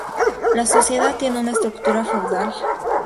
La sociedad tiene una estructura feudal.